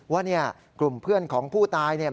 ว่าเนี่ยกลุ่มเพื่อนของผู้ตายเนี่ย